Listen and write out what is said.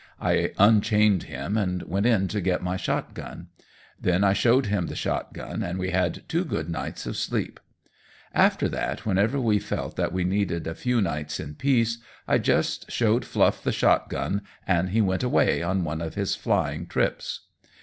I unchained him and went in to get my shotgun. Then I showed him the shotgun, and we had two good nights of sleep. After that, whenever we felt that we needed a few nights in peace, I just showed Fluff the shotgun and he went away on one of his flying trips.